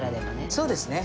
そうですね。